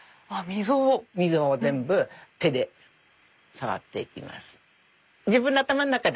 溝を全部手で触っていきます。